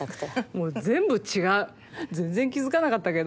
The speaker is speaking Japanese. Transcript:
もう全部違う全然気付かなかったけど。